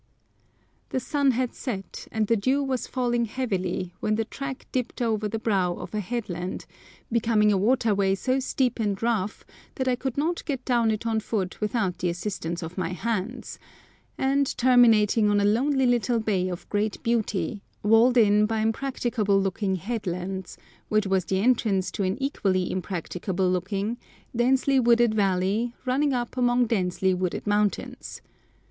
The sun had set and the dew was falling heavily when the track dipped over the brow of a headland, becoming a waterway so steep and rough that I could not get down it on foot without the assistance of my hands, and terminating on a lonely little bay of great beauty, walled in by impracticable looking headlands, which was the entrance to an equally impracticable looking, densely wooded valley running up among densely wooded mountains.